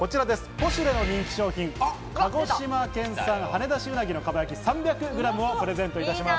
ポシュレの人気商品「鹿児島県産はねだし鰻の蒲焼３００ｇ」をプレゼントいたします。